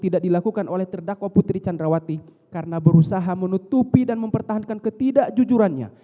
tidak dilakukan oleh terdakwa putri candrawati karena berusaha menutupi dan mempertahankan ketidakjujurannya